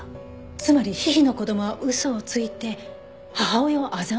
つまりヒヒの子供は嘘をついて母親を欺いた。